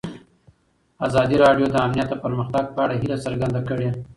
ازادي راډیو د امنیت د پرمختګ په اړه هیله څرګنده کړې.